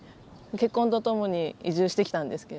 結婚とともに移住してきたんですけれども。